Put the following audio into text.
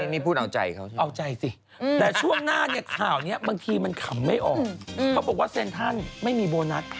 นี่พูดเอาใจเขาสิเอาใจสิแต่ช่วงหน้าเนี่ยข่าวนี้บางทีมันขำไม่ออกเขาบอกว่าเซ็นทรัลไม่มีโบนัส